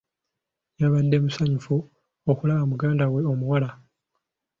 Yabadde musanyufu okulaba muganda we omuwala.